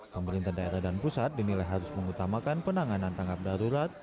pemerintah daerah dan pusat dinilai harus mengutamakan penanganan tanggap darurat